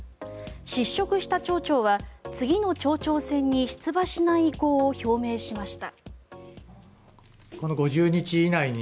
失職した町長は次の町長選に出馬しない意向を表明しました。